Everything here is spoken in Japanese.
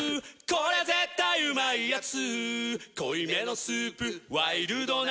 これ絶対うまいやつ」